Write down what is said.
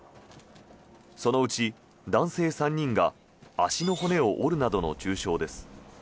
そのうち男性３人が足の骨を折るなどの重傷です。